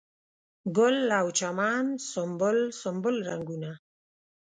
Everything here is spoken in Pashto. ګل او چمن سنبل، سنبل رنګونه